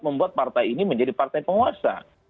membuat partai ini menjadi partai penguasa